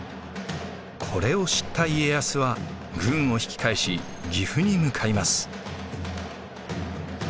これを知った家康は軍を引き返し岐阜に向かいます。